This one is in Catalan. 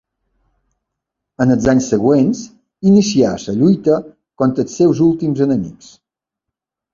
En els anys següents, inicià la lluita contra els seus últims enemics.